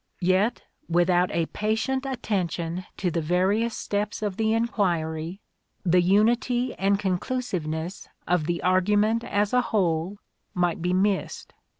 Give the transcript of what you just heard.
Yet without a patient attention to the various steps of the enquiry the unity and conclusiveness of the argument as a whole might be missed.